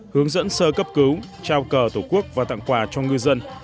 hướng dẫn sơ cấp cứu trao cờ tổ quốc và tặng quà cho ngư dân